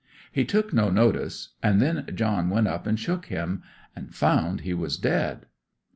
He took no notice, and then John went up and shook him, and found he was dead.